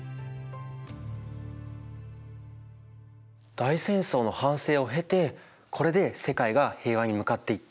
大戦争の反省を経てこれで世界が平和に向かっていった。